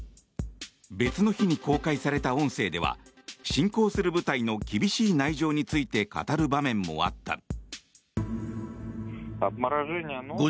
別の日に公開された音声では侵攻する部隊の厳しい内情について語る場面もあった。